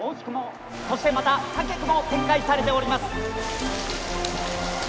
そしてまたたけくも展開されております。